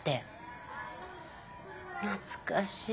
懐かしい。